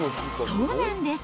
そうなんです。